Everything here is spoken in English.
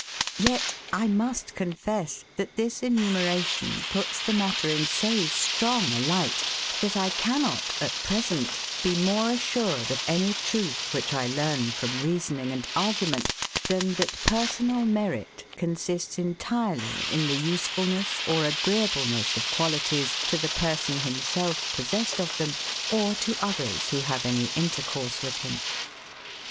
Yet, I must confess, that this enumeration puts the matter in so strong a light, that I cannot, at PRESENT, be more assured of any truth, which I learn from reasoning and argument, than that personal merit consists entirely in the usefulness or agreeableness of qualities to the person himself possessed of them, or to others, who have any intercourse with him.